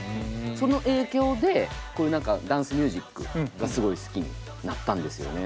その影響でこういう何かダンスミュージックがすごい好きになったんですよね。